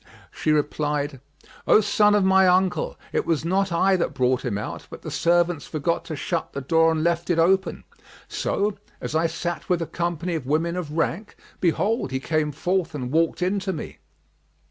She replied, "O son of my uncle, it was not I that brought him out; but the servants forgot to shut the door and left it open; so, as I sat with a company of women of rank, behold, he came forth and walked in to me."